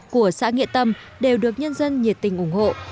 của xã nghĩa tâm đều được nhân dân nhiệt tình ủng hộ